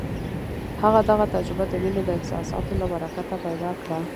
هغه دغه تجربه د مينې د احساساتو له برکته پيدا کړه.